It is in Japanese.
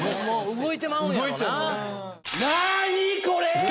動いてまうんやろうな。